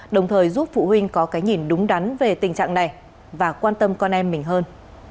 đồng thời giúp phụ huynh có cái nhìn đúng đắn về tình trạng này và quan tâm con em mình hơn